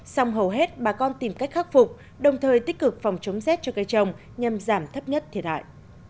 xong hầu hết bà con tìm cách khắc phục đồng thời tích cực phòng chống rét cho cây trồng nhằm giảm thấp nhất thiệt hại